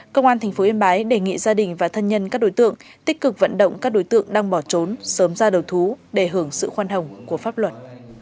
công an tp yên bái đề nghị gia đình và thân nhân các đối tượng tích cực vận động các đối tượng đang bỏ trốn sớm ra đầu thú để hưởng sự khoan hồng của pháp luật